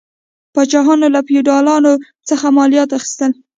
پاچاهانو له فیوډالانو څخه مالیات اخیستل.